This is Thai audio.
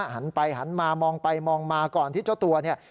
หันไปหันมามองไปมองมาก่อนที่เจ้าตัวเนี่ย